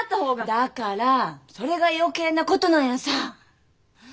だからそれが余計なことなんやさ！